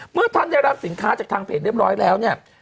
เมื่อท่านได้รับสินค้าจากทางเพจเรียบร้อยแล้วเนี่ย